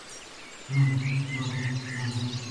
Los implicados declaran que eran trabajos de consultoría.